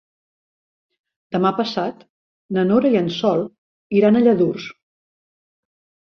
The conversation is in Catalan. Demà passat na Nora i en Sol iran a Lladurs.